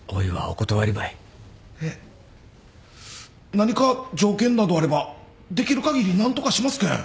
何か条件などあればできるかぎり何とかしますけん。